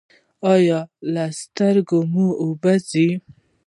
ایا له سترګو مو اوبه ځي؟